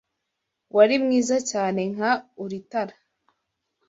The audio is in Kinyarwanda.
Wari mwiza cyane nka ulitara